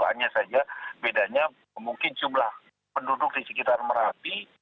hanya saja bedanya mungkin jumlah penduduk di sekitar merapi